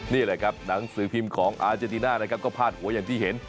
นี่แหละครับหนังสือพิมพ์ของอาเจนติน่านะครับก็พาดหัวอย่างที่เห็น